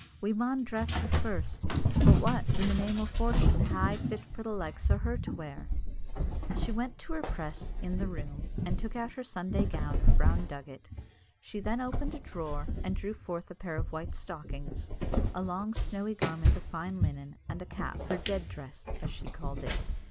"We maun dress her first; but what, in the name o' fortune, hae I fit for the likes o' her to wear?" She went to her press in "the room," and took out her Sunday gown of brown drugget; she then opened a drawer, and drew forth a pair of white stockings, a long snowy garment of fine linen, and a cap, her "dead dress," as she called it.